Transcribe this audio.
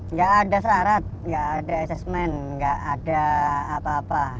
nggak ada syarat nggak ada assessment nggak ada apa apa